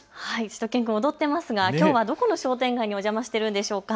しゅと犬くん、踊ってますがきょうはどこの商店街にお邪魔しているんでしょうか。